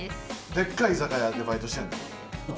でっかい居酒屋でバイトしてんの？